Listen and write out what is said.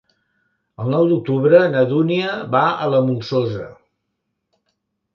El nou d'octubre na Dúnia va a la Molsosa.